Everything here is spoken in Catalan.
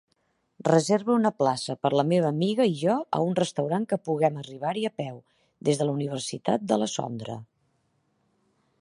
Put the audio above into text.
Reserva una plaça per la meva amiga i jo a un restaurant que puguem arribar-hi a peu des de la universitat de la Sondra.